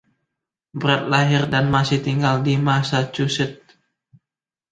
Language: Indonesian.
Brett lahir dan masih tinggal di Massachusetts.